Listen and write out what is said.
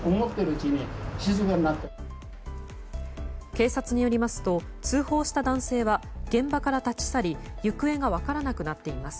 警察によりますと通報した男性は現場から立ち去り行方が分からなくなっています。